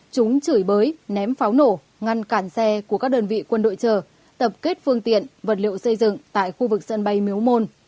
chúng chửi bới ném pháo nổ ngăn cản xe của các đơn vị quân đội chở tập kết phương tiện vật liệu xây dựng tại khu vực sân bay miếu môn